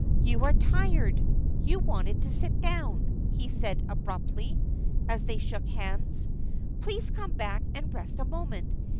"You are tired. You wanted to sit down," he said, abruptly, as they shook hands. "Please come back and rest a moment.